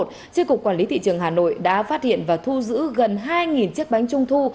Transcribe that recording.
tri cục quản lý thị trường hà nội đã phát hiện và thu giữ gần hai chiếc bánh trung thu